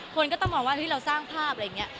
คนก็ต้องมองว่าที่เราสร้างภาพอะไรอย่างนี้